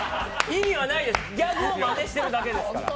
意味はないです、ギャグをまねしているだけですから。